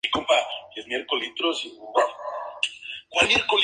De hecho, esta estación es diferente a todas las demás.